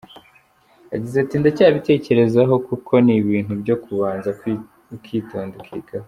yagize ati Ndacyabitekerezaho kuko ni ibintu byo kubanza ukitonda ukigaho.